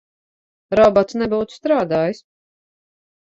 Robots nebūtu strādājis.